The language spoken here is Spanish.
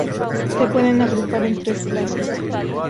Se pueden agrupar en tres clases.